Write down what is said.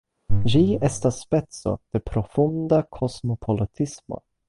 Ĝi estas speco de profunda kosmopolitismo.